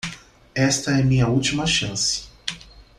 Esta é minha última chance.